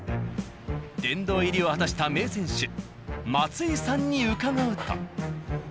殿堂入りを果たした名選手松井さんに伺うと。